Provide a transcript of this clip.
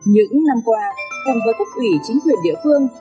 những năm qua đồng với quốc ủy chính quyền địa phương